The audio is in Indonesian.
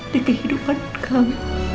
di kehidupan kamu